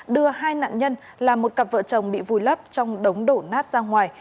đưa hai nạn nhân là một cặp vợ chồng bị vùi lấp trong đống đổ nát ra ngoài